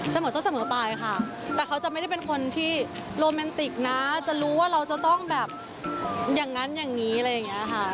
เสมอต้นเสมอไปค่ะแต่เขาจะไม่ได้เป็นคนที่โรแมนติกนะจะรู้ว่าเราจะต้องแบบอย่างนั้นอย่างนี้อะไรอย่างนี้ค่ะ